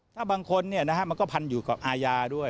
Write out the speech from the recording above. ถ้าบางคนมันก็พันอยู่กับอาญาด้วย